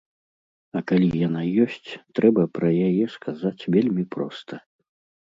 А калі яна ёсць, трэба пра яе сказаць вельмі проста.